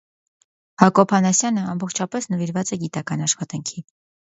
Յ. Անասեան ամբողջապէս նուիրուած է գիտական աշխատանքի։